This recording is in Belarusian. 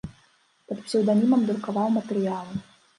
Пад псеўданімам друкаваў матэрыялы.